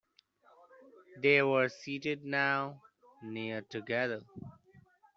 They were seated now, near together.